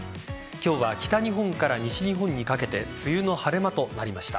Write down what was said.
今日は北日本から西日本にかけて梅雨の晴れ間となりました。